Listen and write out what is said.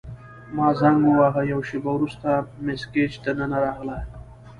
ما زنګ وواهه، یوه شیبه وروسته مس ګیج دننه راغله.